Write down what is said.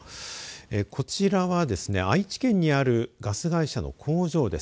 こちらはですね、愛知県にあるガス会社の工場です。